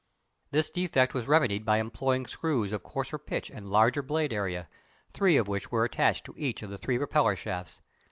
This defect was remedied by employing screws of coarser pitch and larger blade area, three of which were attached to each of the three propeller shafts.